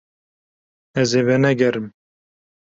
Ez ê venegerim.